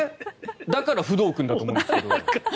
だからフドウ君だと思うんですけど。